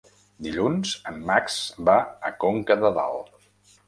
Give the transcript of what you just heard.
Dilluns en Max va a Conca de Dalt.